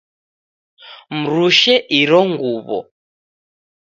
Mrushe iro nguw'o